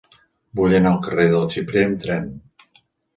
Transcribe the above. Vull anar al carrer del Xiprer amb tren.